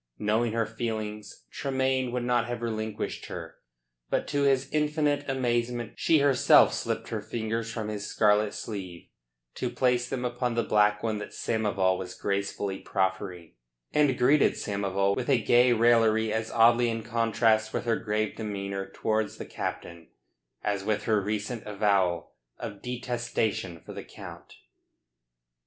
Knowing her feelings, Tremayne would not have relinquished her, but to his infinite amazement she herself slipped her fingers from his scarlet sleeve, to place them upon the black one that Samoval was gracefully proffering, and greeted Samoval with a gay raillery as oddly in contrast with her grave demeanour towards the captain as with her recent avowal of detestation for the Count.